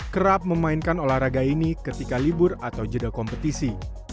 kerap memainkan olahraga ini ketika libur atau jeda kompetisi